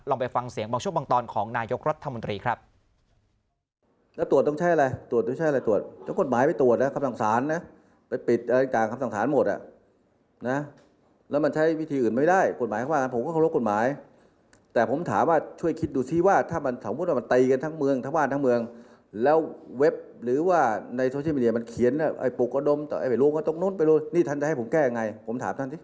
ไปฟังเสียงบางช่วงบางตอนของนายกรัฐมนตรีครับ